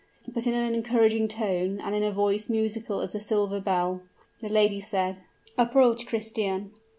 But in an encouraging tone, and in a voice musical as a silver bell, the lady said: "Approach, Christian!"